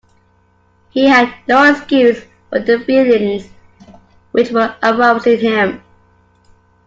He had no excuse for the feelings which were aroused in him.